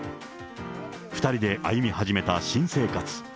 ２人で歩み始めた新生活。